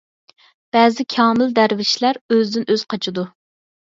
بەزى كامىل دەرۋىشلەر ئۆزىدىن ئۆزى قاچىدۇ.